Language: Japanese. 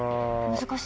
難しいね。